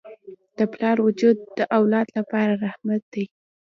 د پلار وجود د اولاد لپاره رحمت دی.